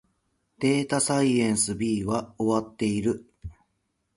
データサイエンス B は終わっている